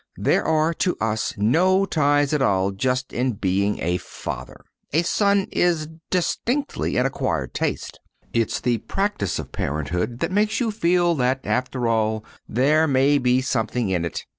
There are to us no ties at all just in being a father. A son is distinctly an acquired taste. It's the practice of parenthood that makes you feel that, after all, there may be something in it.